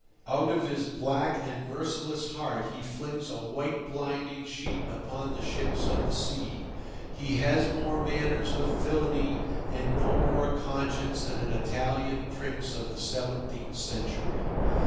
Out of his black and merciless heart he flings a white blinding sheet upon the ships of the sea. He has more manners of villainy, and no more conscience than an Italian prince of the seventeenth century.